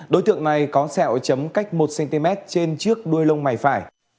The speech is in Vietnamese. đối tượng này có sẹo chấm cách một cm trên trước đuôi lông mày phải